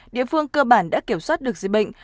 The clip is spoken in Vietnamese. địa phương cơ bản đã kiểm soát được dịch bệnh